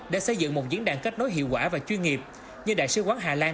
để xây dựng một diễn đàn kết nối hiệu quả và chuyên nghiệp như đại sứ quán hà lan